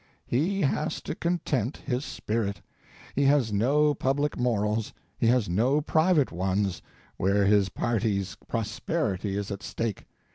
He has to content his spirit. He has no public morals; he has no private ones, where his party's prosperity is at stake.